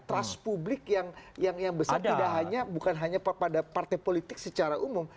trust publik yang besar tidak hanya bukan hanya pada partai politik secara umum